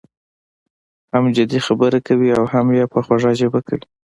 هم جدي خبره کوي او هم یې په خوږه ژبه کوي.